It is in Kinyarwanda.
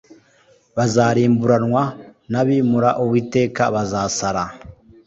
bazarimburanwa, n'abimūra uwiteka bazsara